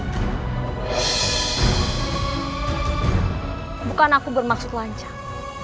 bukan aku bermaksud lancar